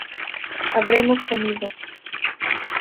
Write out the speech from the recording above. Habremos comido